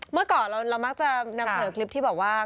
เมื่อก่อนเรามักจะนำเสนอคลิปที่บอกว่า